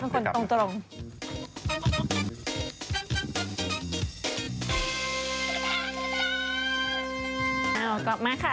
คลังล่ะเป็นไงละ